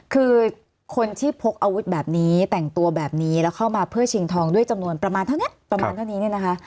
คือคนที่พกอาวุธแบบนี้แต่งตัวแบบนี้แล้วเข้ามาเพื่อชิงทองด้วยจำนวนประมาณเท่านี้